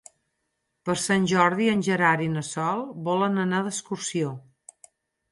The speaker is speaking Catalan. Per Sant Jordi en Gerard i na Sol volen anar d'excursió.